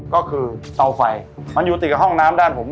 ก็คือเตาไฟมันอยู่ติดกับห้องน้ำด้านผม